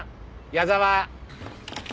矢沢。